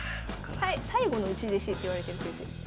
最後の内弟子っていわれてる先生です。